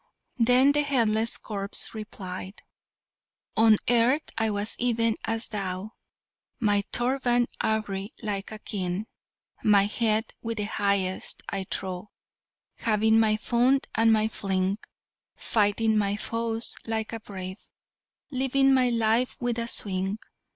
Then the headless corpse replied: "On earth I was even as thou, My turban awry like a king, My head with the highest, I trow, Having my fun and my fling, Fighting my foes like a brave, Living my life with a swing.